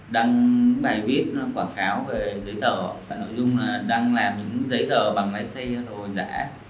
đăng bài viết quảng kháo về giấy tờ và nội dung là đăng làm những giấy tờ bằng máy xây cho đồ giả